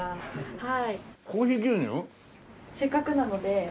はい。